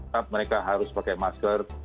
tetap mereka harus pakai masker